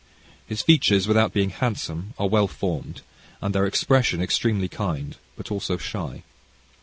His features, without being handsome, are well formed, and their expression extremely kind, but also shy.